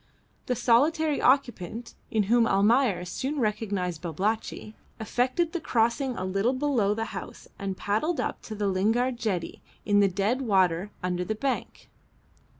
The solitary occupant (in whom Almayer soon recognised Babalatchi) effected the crossing a little below the house and paddled up to the Lingard jetty in the dead water under the bank.